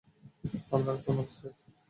আমরা কোন অবস্থায় আছি?